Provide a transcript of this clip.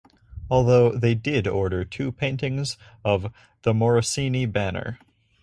Although they did order two paintings of "The Morosini Banner".